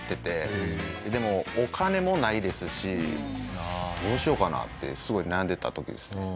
でもお金もないですしどうしようかなってすごい悩んでた時ですね。